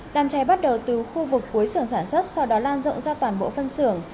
đám cháy bắt đầu từ khu vực cuối sưởng sản xuất sau đó lan rộng ra toàn bộ phân xưởng